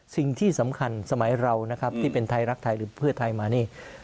สิ่งที่สำคัญสมัยเรานะครับที่เป็นไทยรักไทยหรือเพื่อไทยมานี่